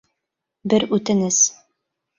Бер үтенес.